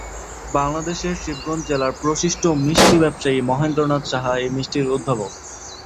বাংলাদেশের "শিবগঞ্জ" জেলার প্রসিদ্ধ মিষ্টান্ন ব্যবসায়ী মহেন্দ্রনাথ সাহা এই মিষ্টির উদ্ভাবক।